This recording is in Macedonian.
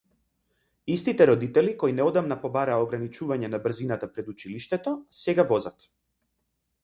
Истите родители кои неодамна побараа ограничување на брзината пред училиштето, сега возат брзо.